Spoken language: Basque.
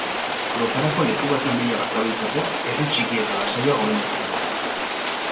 Lotarako leku baten bila bazabiltzate, herri txiki eta lasaia gomendatuko nuke.